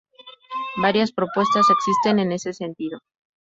Varias propuestas existen en ese sentido